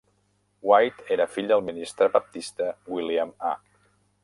White era fill del ministre baptista William A.